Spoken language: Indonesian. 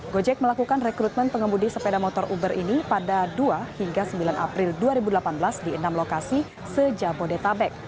gojek melakukan rekrutmen pengemudi sepeda motor uber ini pada dua hingga sembilan april dua ribu delapan belas di enam lokasi sejabodetabek